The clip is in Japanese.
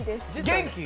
元気？